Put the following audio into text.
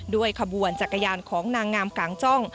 ขบวนจักรยานของนางงามกลางจ้อง